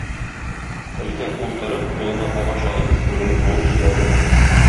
Өлкән ул торып, кулына агач алып, бүрене куып җибәрде.